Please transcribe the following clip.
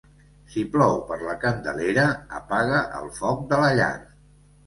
Si plou per la Candelera, apaga el foc de la llar.